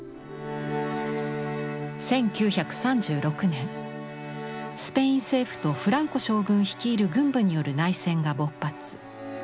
１９３６年スペイン政府とフランコ将軍率いる軍部による内戦が勃発。